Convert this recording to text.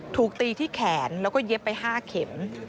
ถูกตีที่แขนแล้วก็เย็บไป๕เข็ม